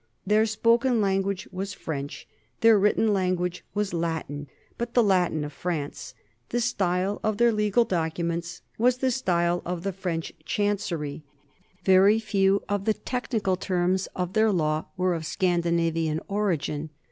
Their spoken language was French, their written language was Latin, but the Latin of France; the style of their legal documents was the style of the French chancery; very few of the technical terms of their law were of Scandi navian origin.